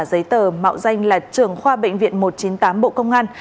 giấy tờ mạo danh là trưởng khoa bệnh viện một trăm chín mươi tám bộ công an